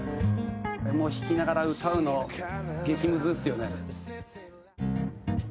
これも弾きながら歌うの激むずですよね。